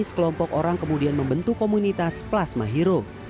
sekelompok orang kemudian membentuk komunitas plasma hero